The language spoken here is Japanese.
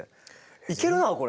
いけるなあこれ。